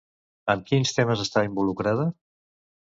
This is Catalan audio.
Amb quins temes està involucrada?